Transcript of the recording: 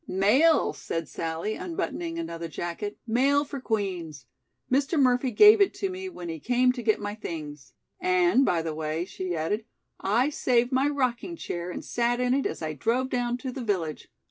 "Mail," said Sallie, unbuttoning another jacket, "mail for Queen's. Mr. Murphy gave it to me when he came to get my things. And, by the way," she added, "I saved my rocking chair and sat in it as I drove down to the village.